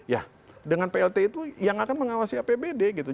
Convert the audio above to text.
ya dengan plt itu yang akan mengawasi apbd gitu